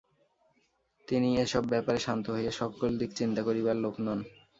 তিনি এ-সব ব্যাপারে শান্ত হইয়া সকল দিক চিন্তা করিবার লোক নন।